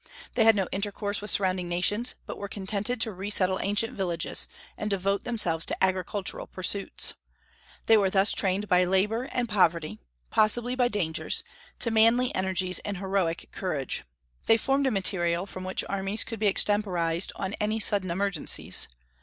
They had no intercourse with surrounding nations, but were contented to resettle ancient villages, and devote themselves to agricultural pursuits. They were thus trained by labor and poverty possibly by dangers to manly energies and heroic courage. They formed a material from which armies could be extemporized on any sudden emergencies.